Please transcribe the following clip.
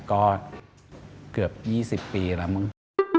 ก็เกือบ๒๐ปีแล้วมึง